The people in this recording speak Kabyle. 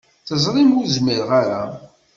Teẓrim ur zmireɣ ara.